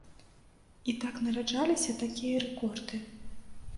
І так нараджаліся такія рэкорды.